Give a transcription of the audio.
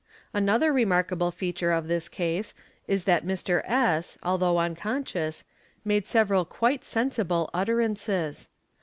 | Another remarkable feature of this case is that Mr. 5. although un conscious made several quite sensible utterances.